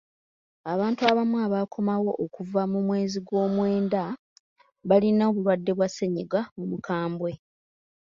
Abantu abamu abaakomawo okuva mu mwezi gw'omwenda baalina obulwadde bwa ssennyiga omukambwe.